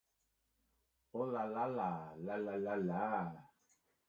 Kamara was born in France and is of Gambian descent.